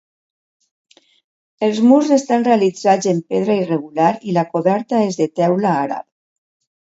Els murs estan realitzats en pedra irregular i la coberta és de teula àrab.